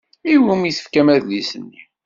I wumi i tefkam adlis-nni?